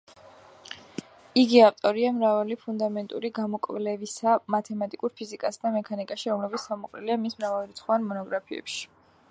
იგი ავტორია მრავალი ფუნდამენტური გამოკვლევისა მათემატიკურ ფიზიკასა და მექანიკაში, რომლებიც თავმოყრილია მის მრავალრიცხოვან მონოგრაფიებში.